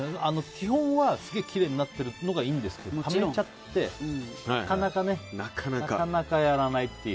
基本は、すげえきれいになってるのがいいんですけどためちゃってなかなかやらないっていう。